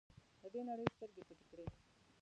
له دې نړۍ سترګې پټې کړې.